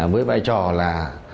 với vai trò là